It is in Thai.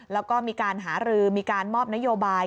แล้วก็มีการหารือมีการมอบนโยบาย